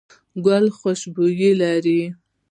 ګل خوشبو لري